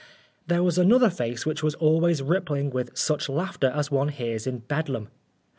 There was another face which was always rippling with such laughter as one hears in Bedlam.